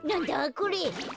これ。